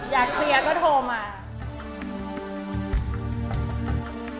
อยากเคลียร์ก็โทรมา